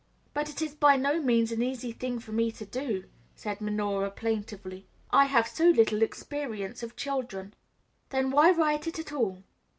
"But it is by no means an easy thing for me to do," said Minora plaintively; "I have so little experience of children." "Then why write it at all?"